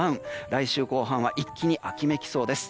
来週後半は一気に秋めきそうです。